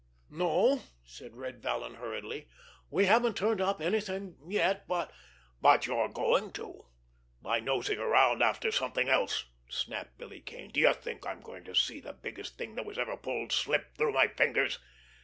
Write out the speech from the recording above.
"No," said Red Vallon hurriedly, "we haven't turned anything up yet, but——" "But you're going to—by nosing around after something else!" snapped Billy Kane. "Do you think I'm going to see the biggest thing that was ever pulled slip through my fingers?